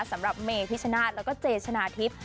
สำหรับเมพิชนาธิ์และเจชนาธิป